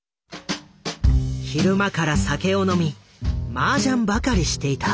昼間から酒を飲みマージャンばかりしていた。